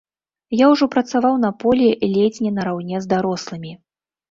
Я ўжо працаваў на полі ледзь не нараўне з дарослымі.